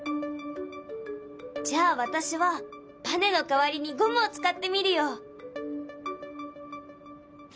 じゃあ私はばねの代わりにゴムを使ってみるよ。